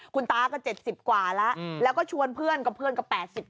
คุณตาก็๗๐กว่าแล้วแล้วชวนเพื่อนก็๘๐จนจะ๙๐